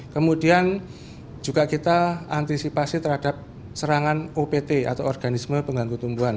kemudian juga kita antisipasi terhadap serangan opt atau organisme pengganggu tumbuhan